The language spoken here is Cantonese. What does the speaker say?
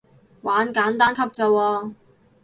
玩簡單級咋喎